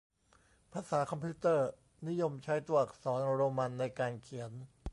ภาษาคอมพิวเตอร์ นิยมใช้ตัวอักษรโรมันในการเขียน